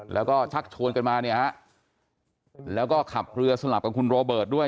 แล้วก็ชักชวนกันมาเนี่ยฮะแล้วก็ขับเรือสลับกับคุณโรเบิร์ตด้วย